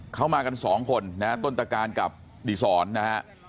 เขามากันสองคนนะฮะต้นตะการกับดีศรนะฮะ